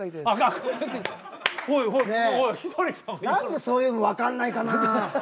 何でそういうのわかんないかなぁ。